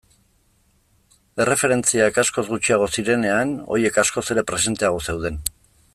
Erreferentziak askoz gutxiago zirenean, horiek askoz ere presenteago zeuden.